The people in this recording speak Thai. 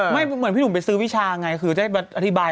เหมือนพี่หนุ่มไปซื้อวิชาไงคือได้อธิบาย